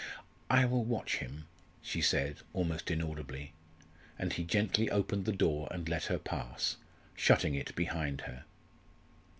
"I will watch him," she said, almost inaudibly, and he gently opened the door and let her pass, shutting it behind her.